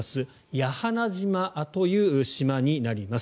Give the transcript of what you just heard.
屋那覇島という島になります。